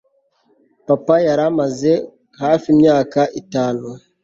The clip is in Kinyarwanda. papa yari amaze hafi imyaka itanu